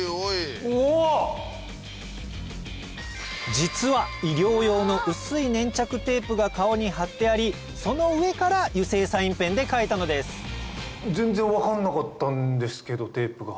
実は医療用の薄い粘着テープが顔に貼ってありその上から油性サインペンで書いたのです全然分かんなかったんですけどテープが貼ってあるの。